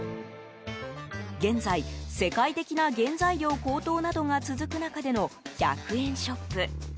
現在、世界的な原材料高騰などが続く中での１００円ショップ。